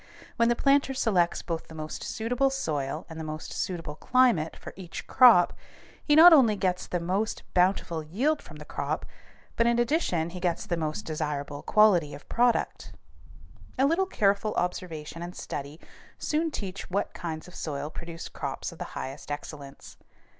When the planter selects both the most suitable soil and the most suitable climate for each crop, he gets not only the most bountiful yield from the crop but, in addition, he gets the most desirable quality of product. A little careful observation and study soon teach what kinds of soil produce crops of the highest excellence.